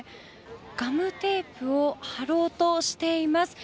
ガムテープを貼ろうとしています。